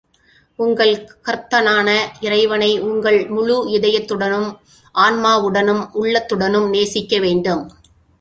உங்கள் கர்த்தனான இறைவனை உங்கள் முழு இதயத்துடனும், ஆன்மாவுடனும், உள்ளத்துடனும் நேசிக்க வேண்டும்.